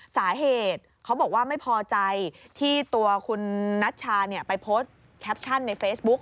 สาเหตุเขาบอกว่าไม่พอใจที่ตัวคุณนัชชาไปโพสต์แคปชั่นในเฟซบุ๊ก